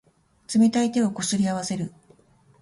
冷たい手をこすり合わせる。